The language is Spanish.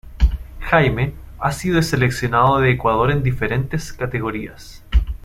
Jaime, ha sido seleccionado de Ecuador en diferentes categorías.